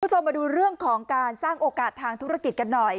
คุณผู้ชมมาดูเรื่องของการสร้างโอกาสทางธุรกิจกันหน่อย